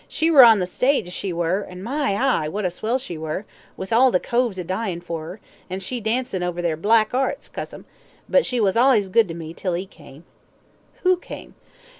"She were on the stage, she were, an' my eye, what a swell she were, with all the coves a dyin' for 'er, an' she dancin' over their black 'earts, cuss 'em; but she was allays good to me till 'e came." "Who came?"